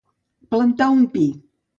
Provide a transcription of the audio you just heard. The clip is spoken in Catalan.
Plantar un pi.